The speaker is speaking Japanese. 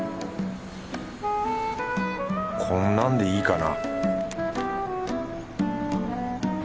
こんなんでいいかな